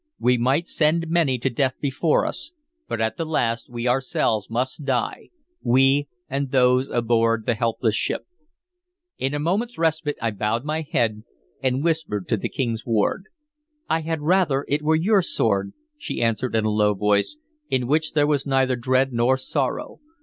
We might send many to death before us, but at the last we ourselves must die, we and those aboard the helpless ship. In the moment's respite I bowed my head and whispered to the King's ward. "I had rather it were your sword," she answered in a low voice, in which there was neither dread nor sorrow.